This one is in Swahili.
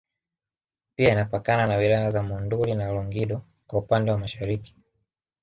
Pia inapakana na wilaya za Monduli na Longido kwa upande wa Mashariki